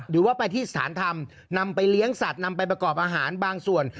หรือว่าไปที่สถานธรรมนำไปเลี้ยงสัตว์นำไปประกอบอาหารบางส่วน